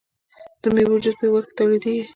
د میوو جوس په هیواد کې تولیدیږي.